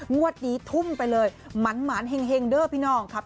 งวดนี้ทุ่มไปเลยหมานเฮงเด้อพี่น้องครับ